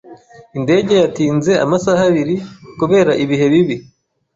Indege yatinze amasaha abiri kubera ibihe bibi.